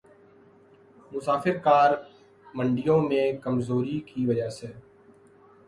مسافر کار منڈیوں میں کمزوری کی وجہ سے